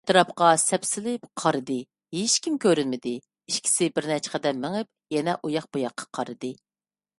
ئەتراپقا سەپسېلىپ قارىدى، ھېچكىم كۆرۈنمىدى، ئىككىسى بىرنەچچە قەدەم مېڭىپ، يەنە ئۇياق - بۇياققا قارىدى.